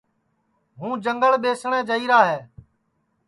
ہوں جنٚگل ٻیسٹؔے جائیرا ہے